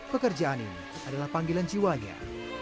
pekerjaan ini adalah panggilan jiwanya